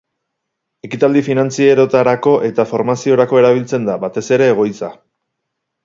Ekitaldi finantzierotarako eta formaziorako erabiltzen da, batez ere, egoitza.